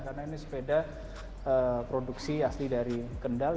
karena ini sepeda produksi asli dari kendal